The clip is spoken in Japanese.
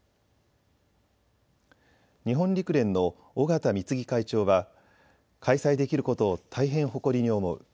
日本陸連の尾縣貢会長は、開催できることを大変誇りに思う。